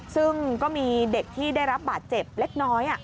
ซึ่งก็มีเด็กที่ได้รับบาดเจ็บเล็กน้อย